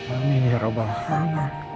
amin ya rabbal alam